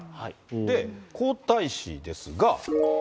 で、皇太子ですが。